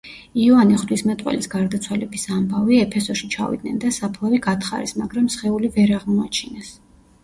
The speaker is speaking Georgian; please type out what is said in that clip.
იოანე ღვთისმეტყველის გარდაცვალების ამბავი, ეფესოში ჩავიდნენ და საფლავი გათხარეს, მაგრამ სხეული ვერ აღმოაჩინეს.